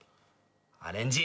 アレンジ。